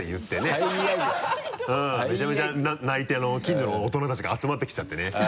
めちゃめちゃ泣いて近所の大人たちが集まってきちゃってね。